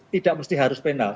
tidak mesti harus penal